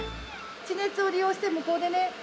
地熱を利用して向こうでね